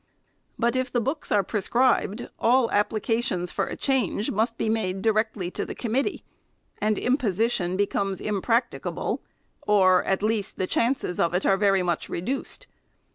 But if the books are prescribed, all applications for a change must be made directly to the committee, and imposition be comes impracticable, or, at least, the chances of it are very much reduced.